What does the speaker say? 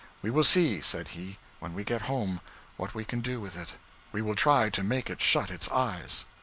'We will see,' said he, 'when we get home, what we can do with it. We will try to make it shut its eyes.'